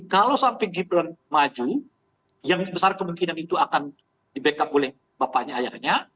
kalau sampai gibran maju yang besar kemungkinan itu akan di backup oleh bapaknya ayahnya